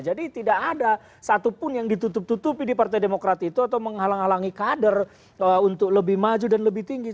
jadi tidak ada satupun yang ditutup tutupi di partai demokrat itu atau menghalangi kader untuk lebih maju dan lebih tinggi